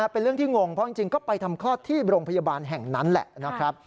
เป็นเรื่องที่งงเพราะจริงก็ไปทำคลอดที่โรงพยาบาลแห่งนั้นแหละนะครับ